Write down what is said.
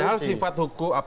padahal sifat hukum